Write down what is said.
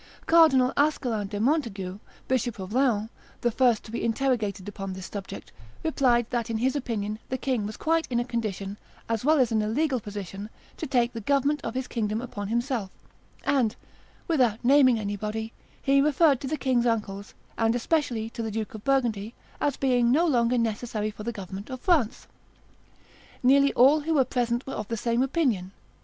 Cardinal Ascelin de Montaigu, Bishop of Laon, the first to be interrogated upon this subject, replied that, in his opinion, the king was quite in a condition, as well as in a legal position, to take the government of his kingdom upon himself, and, without naming anybody, he referred to the king's uncles, and especially to the Duke of Burgundy, as being no longer necessary for the government of France. Nearly all who were present were of the same opinion.